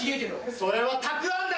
それはたくあんだよ！